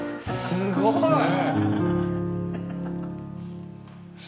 すごいね。